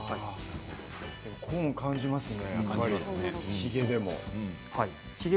コーン感じますね